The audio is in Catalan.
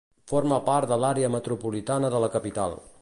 Forma part de l'àrea metropolitana de la capital.